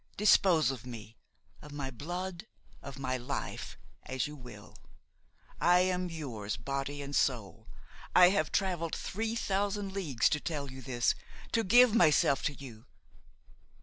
Dispose of me, of my blood, of my life, as you will; I am yours body and soul. I have travelled three thousand leagues to tell you this, to give myself to you.